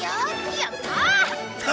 やった！